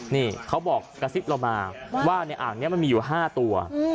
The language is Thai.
นี่เขาบอกกระซิบเรามาว่าในอ่างนี้มันมีอยู่๕ตัว